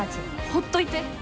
ほっといて。